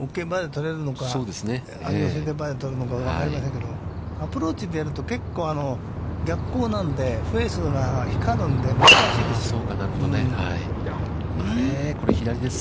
寄せてパーを取るのか、分かりませんけど、アプローチでやると、結構逆光なので、フェースが光るので難しいです。